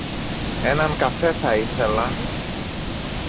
Έναν καφέ θα ήθελα